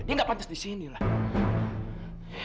dia gak pantas di sini lah